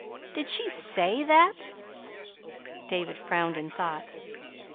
Did she SAY that?" David frowned in thought.